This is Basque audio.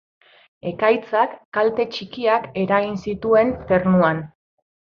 Ekaitzak kalte txikiak eragin zituen Ternuan.